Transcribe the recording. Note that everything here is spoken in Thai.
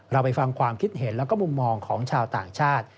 เราไปฟังความคิดเห็นแล้วก็มุมมองของชาวต่างชาติ